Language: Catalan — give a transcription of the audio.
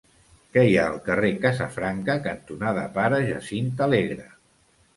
Què hi ha al carrer Casafranca cantonada Pare Jacint Alegre?